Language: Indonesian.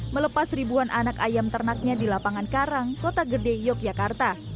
melepas ribuan anak ayam ternaknya di lapangan karang kota gede yogyakarta